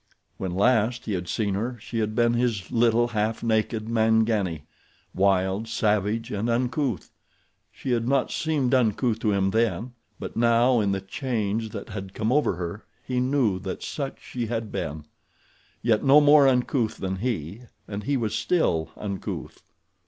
When last he had seen her she had been his little, half naked Mangani—wild, savage, and uncouth. She had not seemed uncouth to him then; but now, in the change that had come over her, he knew that such she had been; yet no more uncouth than he, and he was still uncouth.